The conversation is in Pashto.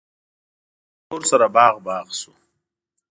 زما زړه به ورسره باغ باغ شو.